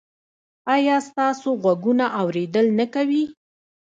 ایا ستاسو غوږونه اوریدل نه کوي؟